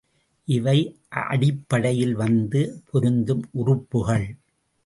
இவை அடிப்படையில் வந்து பொருந்தும் உறுப்புக்கள்!